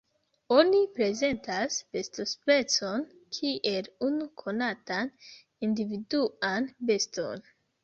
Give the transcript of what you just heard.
Oni prezentas bestospecon kiel unu konatan individuan beston.